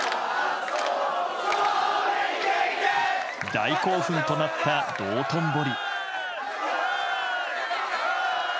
大興奮となった道頓堀。